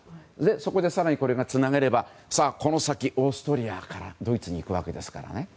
そこで更に、それがつながればさあ、この先オーストリアからドイツに行くわけです。